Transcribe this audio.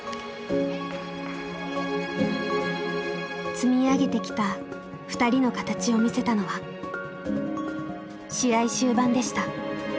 積み上げてきたふたりの形を見せたのは試合終盤でした。